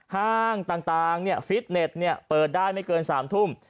ห้างต่างฟิตเน็ตเปิดได้ไม่เกิน๓ทุ่ม